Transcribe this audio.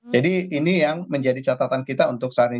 jadi ini yang menjadi catatan kita untuk saat ini